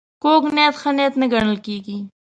کوږ نیت ښه نیت نه ګڼل کېږي